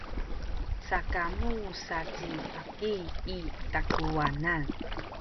sakamu sa ci baki i takuwanan.